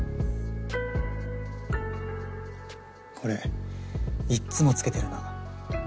これいっつもつけてるな。